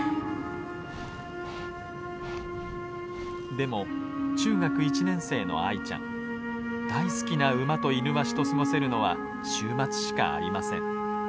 でも中学１年生のアイちゃん大好きな馬とイヌワシと過ごせるのは週末しかありません。